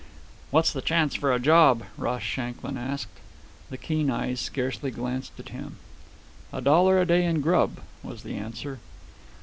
"What's the chance for a job!" Ross Shanklin asked. The keen eyes scarcely glanced at him. "A dollar a day and grub," was the answer.